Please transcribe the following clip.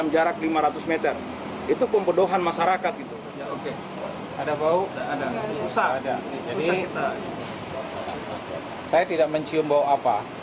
saya tidak mencium bau apa